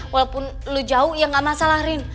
walaupun lu jauh ya gak masalah rin